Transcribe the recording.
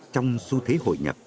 trong xu thế hội nhập